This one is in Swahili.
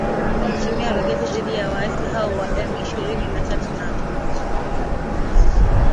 Wakitumia roketi dhidi ya waasi hao wa M ishirini na tatu na